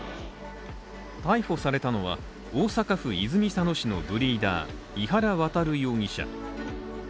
逮捕されたのは、大阪府泉佐野市のブリーダー・井原渉容疑者。